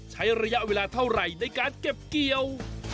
ใช้ระยะเวลาเท่าไหร่ในการเก็บเกี่ยว